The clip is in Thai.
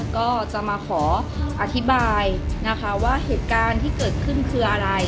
ก็จะมาขออธิบายนะคะว่าเหตุการณ์ที่เกิดขึ้นคืออะไร